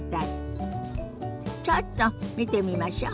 ちょっと見てみましょ。